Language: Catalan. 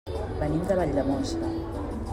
Venim de Valldemossa.